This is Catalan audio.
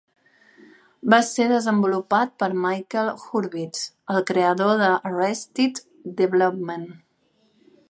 Va ser desenvolupat per Mitchell Hurwitz, el creador de "Arrested Development".